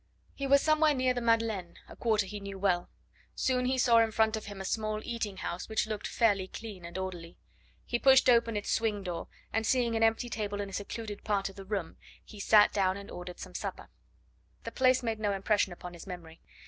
He was somewhere near the Madeleine a quarter he knew well. Soon he saw in front of him a small eating house which looked fairly clean and orderly. He pushed open its swing door, and seeing an empty table in a secluded part of the room, he sat down and ordered some supper. The place made no impression upon his memory.